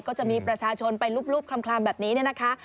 ก็จะมีประชาชนไปลูบคล่ำแบบนี้นะคะ